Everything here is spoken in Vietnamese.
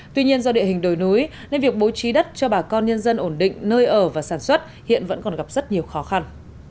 tuy nhiên do địa hình đồi núi nên việc bố trí đất cho bà con nhân dân ổn định nơi ở và sản xuất hiện vẫn còn gặp rất nhiều khó khăn